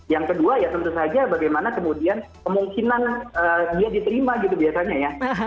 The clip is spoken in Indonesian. yang kedua ya tentu saja bagaimana kemudian kemungkinan dia diterima gitu biasanya ya